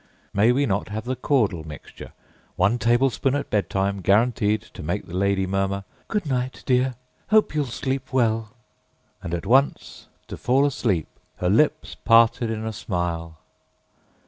â May we not have the Caudle Mixture: One tablespoonful at bed time guaranteed to make the lady murmur, âGood night, dear; hope youâll sleep well,â and at once to fall asleep, her lips parted in a smile?